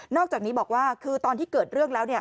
อกจากนี้บอกว่าคือตอนที่เกิดเรื่องแล้ว